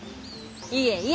いえいえ。